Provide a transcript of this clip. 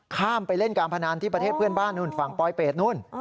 ข้ามไปเล่นการพนันที่ประเทศเพื่อนบ้านนู่นฝั่งปลอยเป็ดนู่น